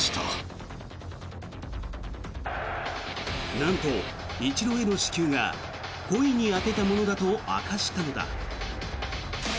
なんと、イチローへの死球が故意に当てたものだと明かしたのだ。